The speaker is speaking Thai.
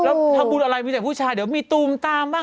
แล้วทำบุญอะไรมีแต่ผู้ชายเดี๋ยวมีตูมตามบ้าง